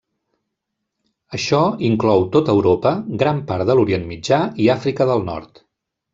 Això inclou tot Europa, gran part de l'Orient Mitjà i Àfrica del nord.